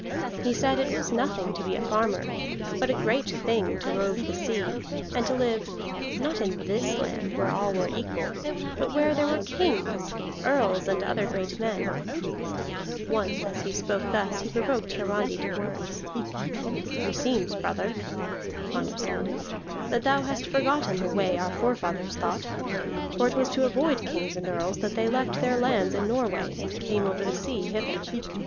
He said it was nothing to be a farmer, but a great thing to rove the sea, and to live, not in this land where all were equal, but where there were kings, earls, and other great men. Once as he spoke thus he provoked Hiarandi to words. "Meseems, brother," the farmer said, "that thou hast forgotten the way our forefathers thought. For it was to avoid kings and earls that they left their lands in Norway and came over the sea hither.